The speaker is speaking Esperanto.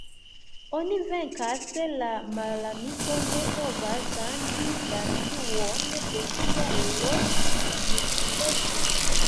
Oni venkas se la malamiko ne povas ŝanĝi la situon de sia L-ludpeco.